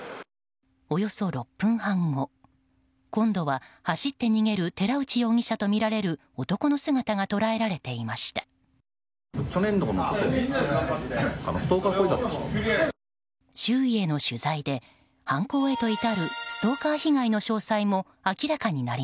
およそ６分半後今度は走って逃げる寺内容疑者とみられる男の姿が捉えられていました。